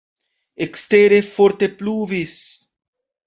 Ekstere forte pluvis.